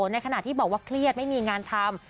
ในขณะที่บอกว่าเครียดไม่มีงานทำ